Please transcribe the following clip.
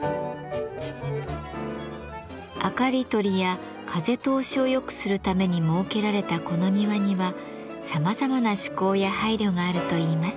明かり取りや風通しを良くするために設けられたこの庭にはさまざまな趣向や配慮があるといいます。